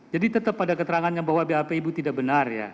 jadi tetap ada keterangannya bahwa b a b i ibu tidak benar ya